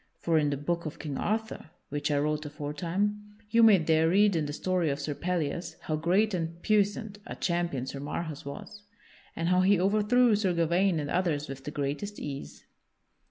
For in the Book of King Arthur (which I wrote aforetime) you may there read in the story of Sir Pellias how great and puissant a champion Sir Marhaus was, and how he overthrew Sir Gawaine and others with the greatest ease.